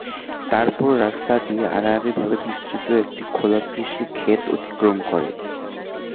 তারপর রাস্তাটি আড়াআড়ি ভাবে বিস্তৃত একটি খোলা কৃষি ক্ষেত অতিক্রম করে।